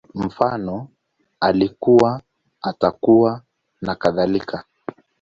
Mfano, Alikuwa, Atakuwa, nakadhalika